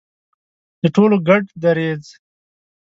د ټولو ګډ دریځ.